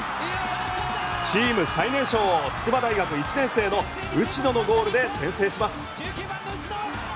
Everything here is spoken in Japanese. チーム最年少筑波大学１年生の内野のゴールで先制します。